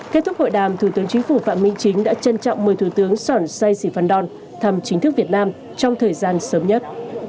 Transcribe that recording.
kết thúc hội đàm thủ tướng chính phủ phạm minh chính đã trân trọng mời thủ tướng sòn sai sì phan đòn thăm chính thức việt nam trong thời gian sớm nhất